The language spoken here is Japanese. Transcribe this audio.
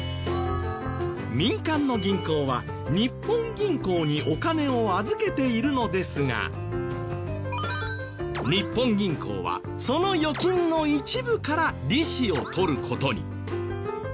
民間の銀行は日本銀行にお金を預けているのですが日本銀行はその預金の一部から利子を取る事に。